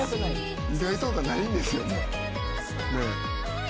意外とかないんですよ。